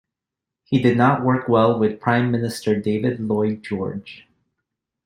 He did not work well with Prime Minister David Lloyd George.